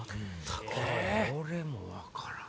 これも分からんな。